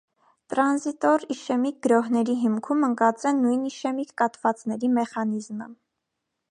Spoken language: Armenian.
Տրանզիտոր իշեմիկ գրոհների հիմքում ընկած է նույն իշեմիկ կաթվածների մեխանիզմը։